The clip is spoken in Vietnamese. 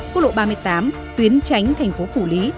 quốc lộ ba mươi tám tuyến tránh thành phố phủ lý